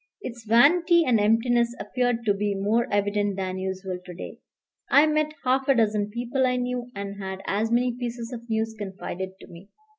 Its vanity and emptiness appeared to be more evident than usual to day. I met half a dozen people I knew, and had as many pieces of news confided to me.